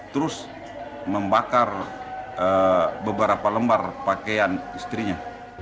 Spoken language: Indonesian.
terus membakar beberapa lembar pakaian istrinya